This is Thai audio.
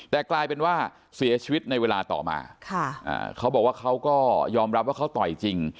แต่กลายเป็นว่าเสียชีวิตในเวลาต่อมาเขาบอกว่าเขาก็ยอมรับว่าเขาต่อยจริง